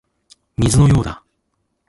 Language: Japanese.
水のようだ